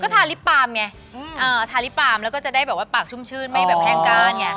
ถ้าลิฟต์ปาล์มไงเออถ้าลิฟต์ปาล์มแล้วก็จะได้แบบว่าปากชุ่มชื่นไม่แห้งก้านไง